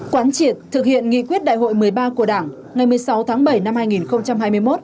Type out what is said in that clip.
quán triệt thực hiện nghị quyết đại hội một mươi ba của đảng ngày một mươi sáu tháng bảy năm hai nghìn hai mươi một